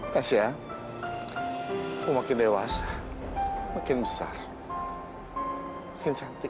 tasya aku makin dewasa makin besar makin cantik